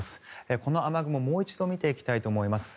この雨雲、もう一度見ていきたいと思います。